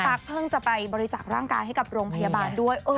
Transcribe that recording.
คุณตั๊กเพิ่งจะไปบริจักษ์ร่างกายให้กับโรงพยาบาลด้วย